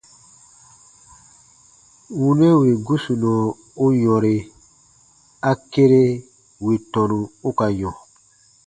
Wunɛ wì gusunɔ u yɔ̃re, a kere wì tɔnu u ka yɔ̃.